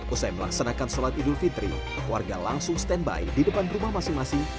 usai melaksanakan sholat idul fitri warga langsung standby di depan rumah masing masing